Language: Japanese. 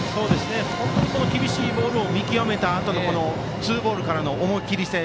本当に厳しいボールを見極めたあとのツーボールからの思い切りのよさ。